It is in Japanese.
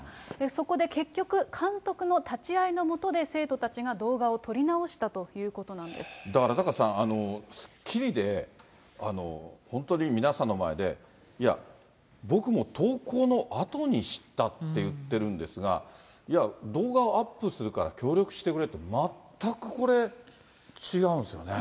そこで結局、監督の立ち会いのもとで、生徒たちが動画を撮り直したということだから、タカさん、スッキリで、本当に皆さんの前で、いや、僕も投稿のあとに知ったって言ってるんですが、いや、動画をアップするから協力してくれって、全くこれ、違うんですよね。